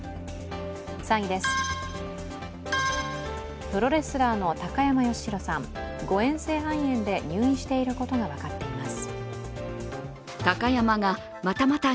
３位です、プロレスラーの高山善廣さん、誤えん性肺炎で入院していることが分かっています。